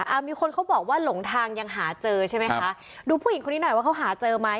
อ่ามีคนเขาบอกว่าหลงทางยังหาเจอใช่ไหมคะดูผู้หญิงคนนี้หน่อยว่าเขาหาเจอไหม